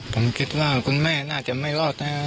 ผมคิดว่าคุณแม่น่าจะไม่รอดนะฮะ